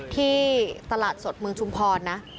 ที่ตลาดสดเมืองชุมพรนะ